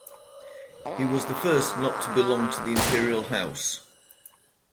He was the first not to belong to the Imperial house.